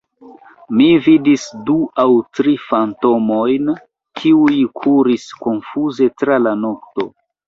Mi vidis du aŭ tri fantomojn, kiuj kuris konfuze tra la nokto.